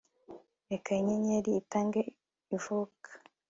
Reka inyenyeri itanga ivuka